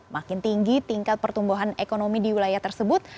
makin tinggi tingkat pertumbuhan ekonomi di wilayah tersebut